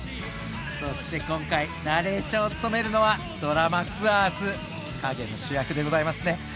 そして今回ナレーションを務めるのは『ドラマツアーズ』陰の主役でございますね。